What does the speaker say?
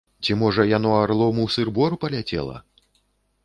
Ці, можа, яно арлом у сыр-бор паляцела?